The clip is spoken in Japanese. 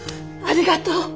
ありがとう。